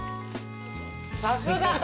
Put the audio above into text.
さすが。